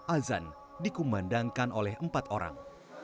azan dikumandangkan oleh empat orang